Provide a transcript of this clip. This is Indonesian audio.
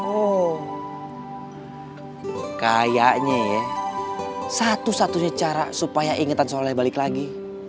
oh kayaknya ya satu satunya cara supaya ingatan soleh balik lagi